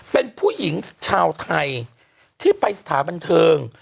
เป็นผู้หญิงชาวไทยที่ไปสถานบันเทิง